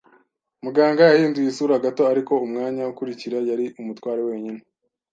Muganga yahinduye isura gato, ariko umwanya ukurikira yari umutware wenyine.